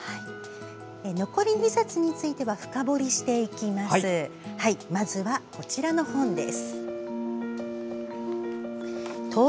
残り２冊については深掘りしていきます。